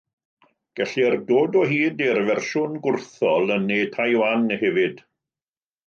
Gellir dod o hyd i'r fersiwn gwrthol yn Ne Taiwan hefyd.